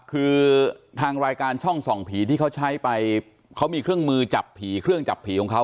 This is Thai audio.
คือทางรายการช่องส่องผีที่เขาใช้ไปเขามีเครื่องมือจับผีเครื่องจับผีของเขา